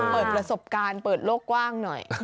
เปิดประสบการณ์เปิดโลกกว้างหน่อย